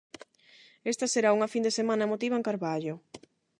Esta será unha fin de semana emotiva en Carballo.